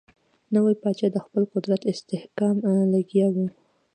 نوی پاچا د خپل قدرت استحکام لګیا وو.